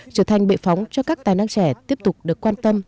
trở thành bệ phóng cho các tài năng trẻ tiếp tục được quan tâm